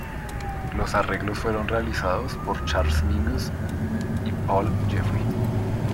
Los arreglos fueron realizados por Charles Mingus y Paul Jeffrey.